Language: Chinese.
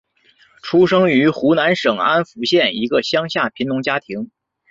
出生于湖南省安福县一个乡下贫农家庭。